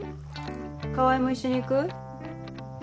川合も一緒に行く？え？